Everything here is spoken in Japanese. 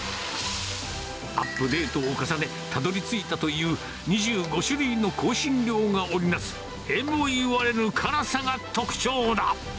アップデートを重ね、たどりついたという、２５種類の香辛料が織り成す、えも言われぬ辛さが特徴だ。